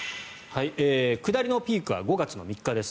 下りのピークは５月３日です。